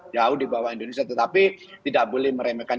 jauh di bawah indonesia tetapi tidak boleh meremehkan